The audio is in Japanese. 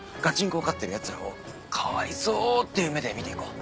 受かってるヤツらをかわいそうっていう目で見ていこう。